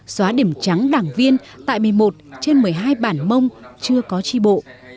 xóa điểm trắng đảng viên tại một mươi một trên một mươi hai bản mông chưa có tri bộ